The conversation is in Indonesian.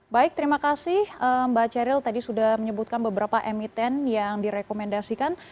baik terima kasih mbak ceril tadi sudah menyebutkan beberapa emiten yang direkomendasikan